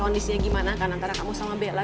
kondisinya gimana kan antara kamu sama bella